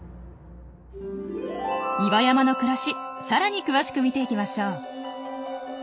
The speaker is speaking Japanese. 岩山の暮らしさらに詳しく見ていきましょう。